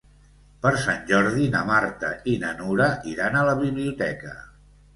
Per Sant Jordi na Marta i na Nura iran a la biblioteca.